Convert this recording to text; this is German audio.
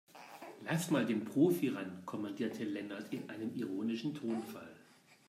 Lass mal den Profi ran, kommandierte Lennart in einem ironischen Tonfall.